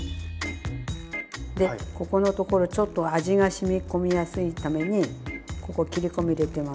でここのところちょっと味がしみ込みやすいためにここ切り込み入れてます。